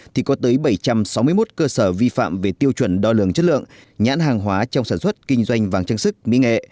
thì có tới bảy trăm sáu mươi một cơ sở vi phạm về tiêu chuẩn đo lường chất lượng nhãn hàng hóa trong sản xuất kinh doanh vàng trang sức mỹ nghệ